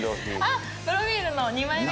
あっプロフィールの２枚目か。